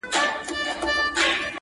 په خندا يې مچولم غېږ يې راکړه-